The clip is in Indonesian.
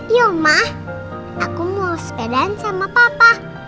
iya oma aku mau sepeda sama papa